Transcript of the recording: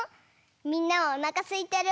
みんなおなかすいてる？